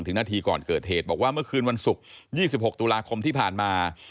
ถึงนาทีก่อนเกิดเหตุบอกว่าเมื่อคืนวันศุกร์๒๖ตุลาคมที่ผ่านมา